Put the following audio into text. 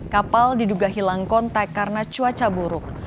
kapal diduga hilang kontak karena cuaca buruk